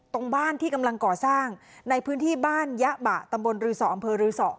ตรงบ้านที่กำลังก่อสร้างในพื้นที่บ้านยะบะตำบลรือสออำเภอรือสอ